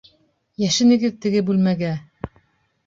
Йәшенегеҙ теге бүлмәгә!